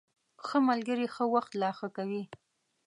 ښه ملګري ښه وخت لا ښه کوي.